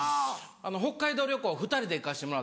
北海道旅行２人で行かせてもらった時に。